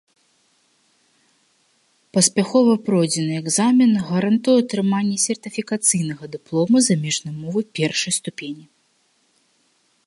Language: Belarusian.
Паспяхова пройдзены экзамен гарантуе атрыманне сертыфікацыйнага дыплома замежнай мовы першай ступені.